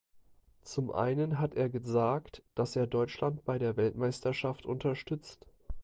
Zum einen hat er gesagt, dass er Deutschland bei der Weltmeisterschaft unterstützt.